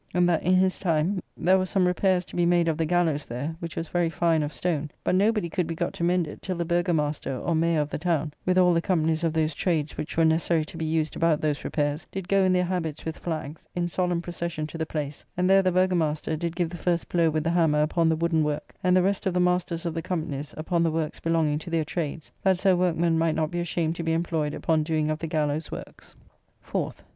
And that, in his time, there was some repairs to be made of the gallows there, which was very fine of stone; but nobody could be got to mend it till the Burgomaster, or Mayor of the town, with all the companies of those trades which were necessary to be used about those repairs, did go in their habits with flags, in solemn procession to the place, and there the Burgomaster did give the first blow with the hammer upon the wooden work; and the rest of the Masters of the Companys upon the works belonging to their trades; that so workmen might not be ashamed to be employed upon doing of the gallows' works. 4th.